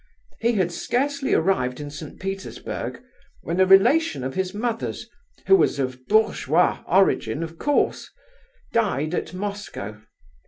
He had scarcely arrived in St. Petersburg, when a relation of his mother's (who was of bourgeois origin, of course), died at Moscow.